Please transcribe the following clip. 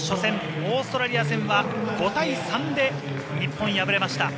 オーストラリア戦は５対３で日本、敗れました。